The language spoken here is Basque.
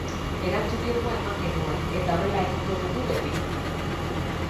Erantzun irmoa eman genuen, eta horrela egingo dugu beti.